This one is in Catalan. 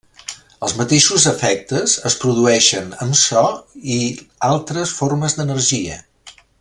Els mateixos efectes es produeixen amb so i altres formes d'energia.